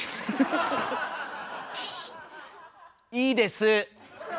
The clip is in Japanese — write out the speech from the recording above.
いいです！